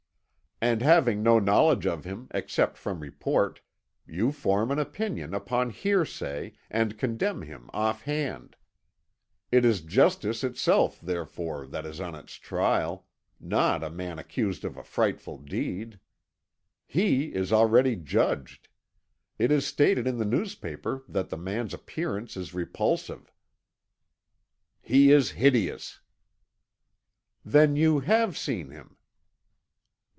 "And having no knowledge of him, except from report, you form an opinion upon hearsay, and condemn him offhand. It is justice itself, therefore, that is on its trial, not a man accused of a frightful deed. He is already judged. It is stated in the newspaper that the man's appearance is repulsive." "He is hideous." "Then you have seen him."